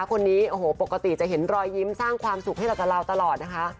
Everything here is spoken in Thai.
คนนี้โอ้โหปกติจะเห็นรอยยิ้มสร้างความสุขให้เรากับเราตลอดนะคะ